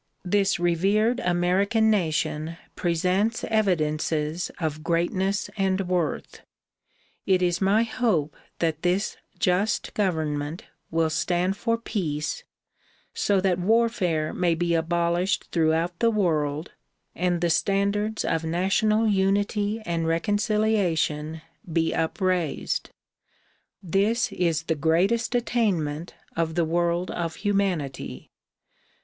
This revered American nation presents evidences of greatness and worth. It is my hope that this just government will stand for peace so that warfare may be abolished throughout the world and the standards of national unity and reconciliation be upraised. This is the greatest attainment of the world of humanity.